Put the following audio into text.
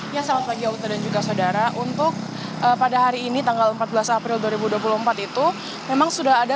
ya selamat pagi auto dan juga saudara untuk pada hari ini tanggal empat belas april dua ribu dua puluh empat itu memang sudah ada